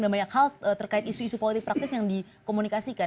dan banyak hal terkait isu isu politik praktis yang dikomunikasikan